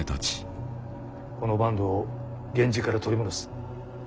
この坂東を源氏から取り戻す。